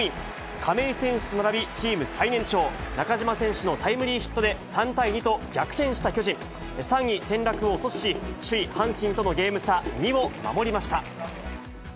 亀井選手と並びチーム最年長、中島選手のタイムリーヒットで３対２と逆転した巨人、３位転落を阻止し、首位阪神とのゲーム差２を守りました。